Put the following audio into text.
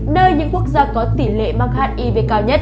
nơi những quốc gia có tỉ lệ mang hạn y về cao nhất